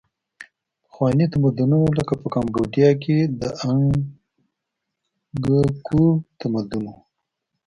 پخواني تمدنونه لکه په کامبودیا کې د انګکور تمدن و.